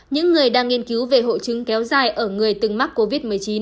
những người đang nghiên cứu về hội chứng kéo dài ở người từng mắc covid một mươi chín